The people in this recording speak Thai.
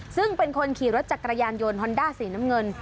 ซึ่งเป็นคนขี่รถจักรยานยนต์ฮอนด้าสีน้ำเงิน